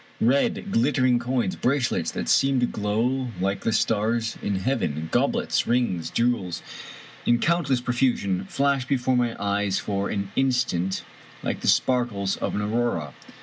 Red, glittering coins — ^bracelets that seemed to glow like the stars in heaven — goblets, rings, jewels, in countless profusion — ^flashed before my eyes for an instant 44 FUzjames O'Brien like the sparkles of an aurora.